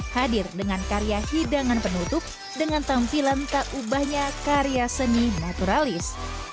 hadir dengan karya hidangan penutup dengan tampilan tak ubahnya karya seni naturalis